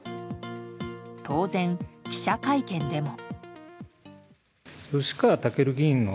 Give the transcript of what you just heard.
当然、記者会見でも。